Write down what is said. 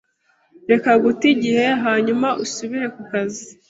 Reka guta igihe hanyuma usubire kukazi.